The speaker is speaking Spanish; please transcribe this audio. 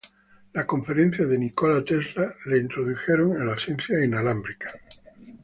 Las conferencias de Nikola Tesla le introdujeron en las ciencias inalámbricas.